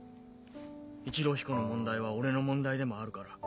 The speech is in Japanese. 一郎彦の問題は俺の問題でもあるから。